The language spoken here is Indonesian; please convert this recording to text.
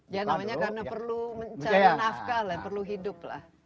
ya namanya karena perlu mencari nafkah perlu hidup